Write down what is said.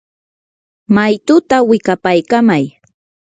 maytutaa wikapaykamay.